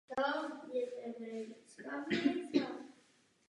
Koruna je bledě purpurová až purpurově červená.